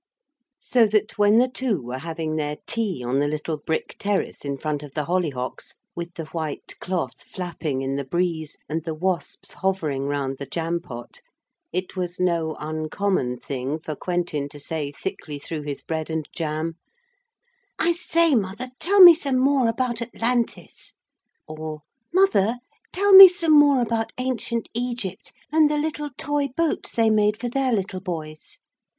So that when the two were having their tea on the little brick terrace in front of the hollyhocks, with the white cloth flapping in the breeze, and the wasps hovering round the jam pot, it was no uncommon thing for Quentin to say thickly through his bread and jam: 'I say, mother, tell me some more about Atlantis.' Or, 'Mother, tell me some more about ancient Egypt and the little toy boats they made for their little boys.'